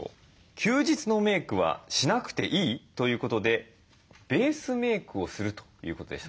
「休日のメークはしなくていい？」ということで「ベースメークをする」ということでした。